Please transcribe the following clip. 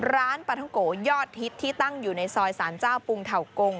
ร้านปลาท้องโกยอดฮิตที่ตั้งอยู่ในซอยสารเจ้าปรุงเถากง